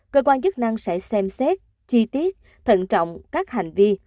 cơ quan chức năng sẽ xem xét chi tiết thận trọng các hành vi